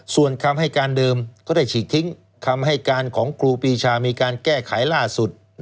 ส่วนคำให้การเดิมก็ได้ฉีกทิ้งคำให้การของครูปีชามีการแก้ไขล่าสุด